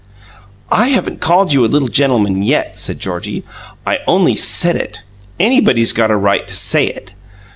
"I haven't called you a little gentleman, yet," said Georgie. "I only said it. Anybody's got a right to SAY it."